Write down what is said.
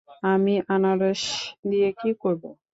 আমি আনারস দিয়ে কী করব?